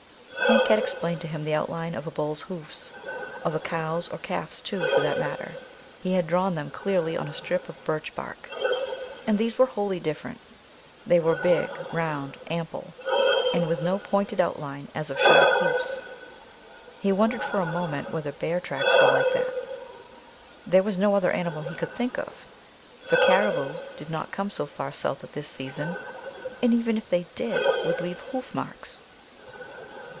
Hank had explained to him the outline of a bull's hoofs, of a cow's or calf's, too, for that matter; he had drawn them clearly on a strip of birch bark. And these were wholly different. They were big, round, ample, and with no pointed outline as of sharp hoofs. He wondered for a moment whether bear tracks were like that. There was no other animal he could think of, for caribou did not come so far south at this season, and, even if they did, would leave hoof marks.